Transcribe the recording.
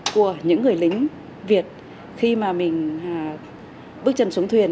của những người lính việt khi mà mình bước chân xuống thuyền